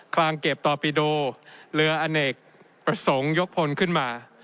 ลางเก็บต่อปีโดเรืออเนกประสงค์ยกพลขึ้นมา